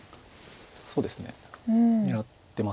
そうですね狙ってます。